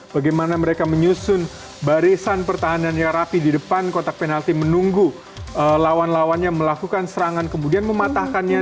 bagaimana mereka menyusun barisan pertahanan yang rapi di depan kotak penalti menunggu lawan lawannya melakukan serangan kemudian mematahkannya